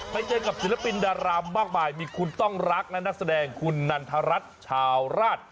ไปเจอกับศิลปินดารามมากมายมีคุณต้องรักและนักแสดงคุณนันทรัฐชาวราช